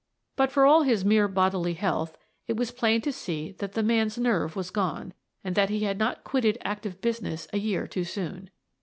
But for all his mere bodily health, it was plain to see that the man's nerve was gone, and that he had not quitted active business a year too soon.